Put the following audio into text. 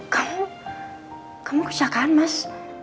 kamu kamu kejakaan mas